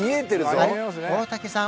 大竹さん